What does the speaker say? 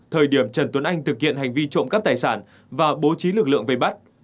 thời điểm trần tuấn anh thực hiện hành vi trộm cắp tài sản và bố trí lực lượng vây bắt